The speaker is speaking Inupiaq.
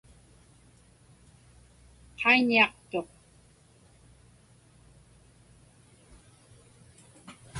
Qaiñiaqtuq.